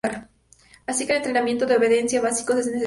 Así que el entrenamiento de obediencia básico es necesario.